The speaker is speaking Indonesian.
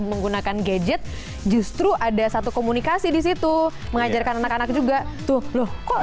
menggunakan gadget justru ada satu komunikasi disitu mengajarkan anak anak juga tuh loh kok